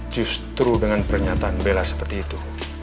justru dengan pernyataan bella seperti itu